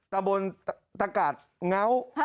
ตรรย์บนตรรกาศแก๊ว